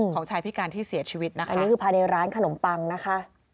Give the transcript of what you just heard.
ชายพิการที่เสียชีวิตนะคะนี่คือภายในร้านขนมปังนะคะ